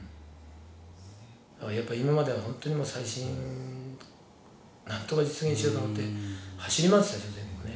やっぱり今まではほんとにもう再審なんとか実現しようと思って走り回ってたでしょ全国ね。